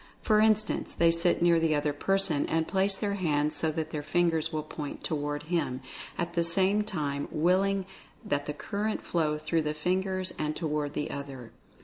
For instance, they sit near the other person and place their hands so that their fingers will point toward him, at the same time willing that the current flow through the fingers and toward the other.